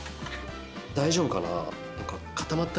大丈夫かな？